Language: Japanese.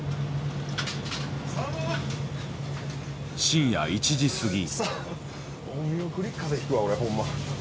深夜１時過ぎ。